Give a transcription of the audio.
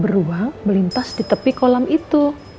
beruang melintas di tepi kolam itu